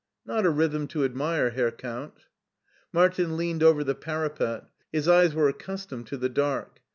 " Not a rhythm to admire, Herr Count'* Martin leaned over the parapet. His eyes were ac customed to the dark.